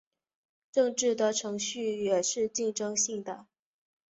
政治的程序也是竞争性的。